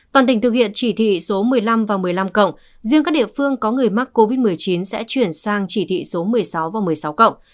toàn tỉnh thực hiện chỉ thị số một mươi năm và một mươi năm cộng riêng các địa phương có người mắc covid một mươi chín sẽ chuyển sang chỉ thị số một mươi sáu và một mươi sáu cộng